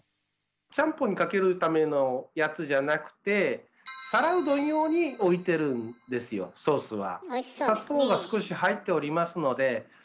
ちゃんぽんにかけるためのやつじゃなくて皿うどん用に置いてるんですよソースは。